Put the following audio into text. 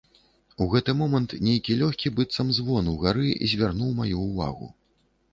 У гэты момант нейкі лёгкі быццам звон угары звярнуў маю ўвагу.